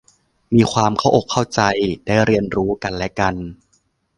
มีความเข้าอกเข้าใจได้เรียนรู้กันและกัน